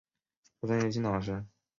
出生于青岛市。